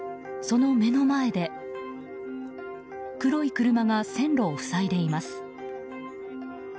その目の前で黒い車が線路を塞いでいます。